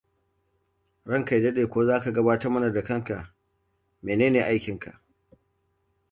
Ranka ya daɗe, ko za ka gabatar mana da kanka. Mene ne aikin ka?